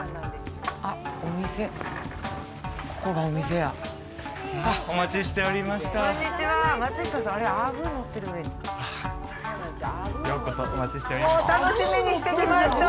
ようこそ、お待ちしておりました。